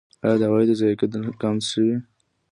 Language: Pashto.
آیا د عوایدو ضایع کیدل کم شوي؟